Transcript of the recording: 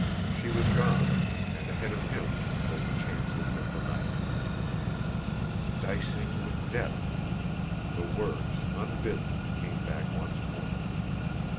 She was gone and ahead of him lay the chances of the night! "Dicing with death!" The words, unbidden, came back once more.